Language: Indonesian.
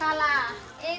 lampu lampu suki senang